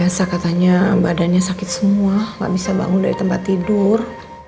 biasa katanya badannya sakit semua nggak bisa bangun dari tempat tidur